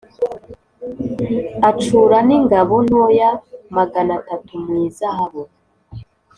Acura n’ingabo ntoya magana atatu mu izahabu